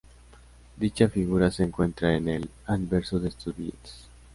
Dicha figura se encuentra en el anverso de estos billetes.